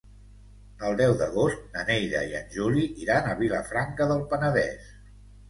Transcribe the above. El deu d'agost na Neida i en Juli iran a Vilafranca del Penedès.